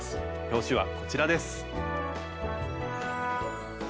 表紙はこちらです。